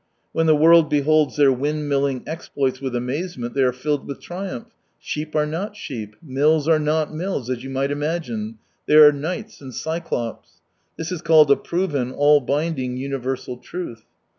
When the world beholds their windmilling exploits with amazement they are filled with triumph ; sheep are not sheep, mills are not mills, as you might imagine ; they are knights and eyelops» This is called a proyen, all^binding, universal truth.